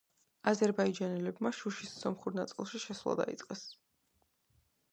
აზერბაიჯანელებმა შუშის სომხურ ნაწილში შესვლა დაიწყეს.